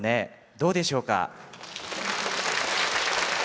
どうでしょうか？